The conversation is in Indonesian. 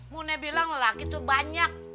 mune bilang laki tuh banyak